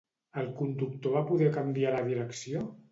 El conductor va poder canviar la direcció?